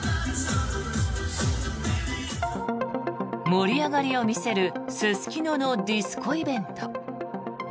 盛り上がりを見せるすすきののディスコイベント。